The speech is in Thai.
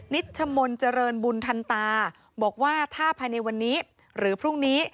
ชมนต์เจริญบุญทันตาบอกว่าถ้าภายในวันนี้หรือพรุ่งนี้